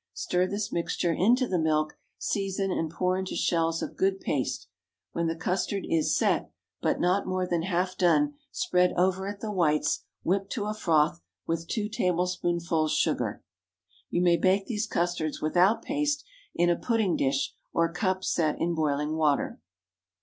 Stir this mixture into the milk, season, and pour into shells of good paste. When the custard is "set"—but not more than half done—spread over it the whites, whipped to a froth, with two tablespoonfuls sugar. You may bake these custards without paste, in a pudding dish or cups set in boiling water.